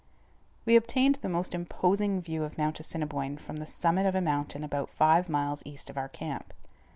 We obtained the most imposing view of Mount Assiniboine from the summit of a mountain about five miles east of our camp.